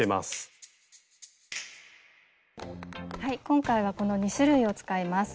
今回はこの２種類を使います。